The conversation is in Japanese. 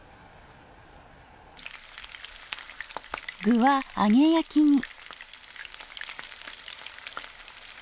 具は揚げ焼きに。